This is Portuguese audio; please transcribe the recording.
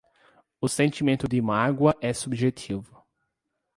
O sentimento de mágoa é subjetivo